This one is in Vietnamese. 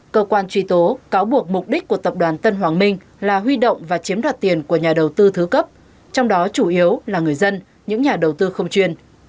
cơ quan truy tố cáo buộc mục đích của tập đoàn tân hoàng minh là huy động và chiếm đoạt tiền của nhà đầu tư thứ cấp trong đó chủ yếu là người dân những nhà đầu tư không chuyên